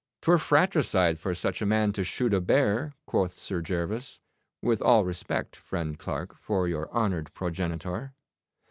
''Twere fratricide for such a man to shoot a bear,' quoth Sir Gervas, 'with all respect, friend Clarke, for your honoured progenitor.